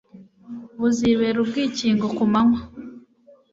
buzibera ubwikingo ku manywa